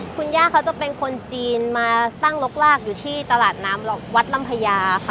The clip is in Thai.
คุณย่าเขาจะเป็นคนจีนมาตั้งรกลากอยู่ที่ตลาดน้ำวัดลำพญาค่ะ